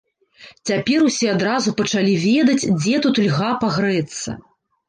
Цяпер усе адразу пачалі ведаць, дзе тут льга пагрэцца.